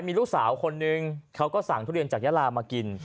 มีลูกสาวคนนึงเขาก็สั่งทุเรียนจากยาลามากิน